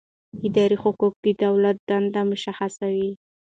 اداري حقوق د دولت دندې مشخصوي.